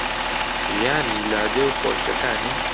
ژیانی لادێ و خۆشییەکانی